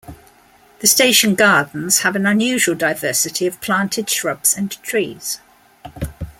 The station gardens have an unusual diversity of planted shrubs and trees.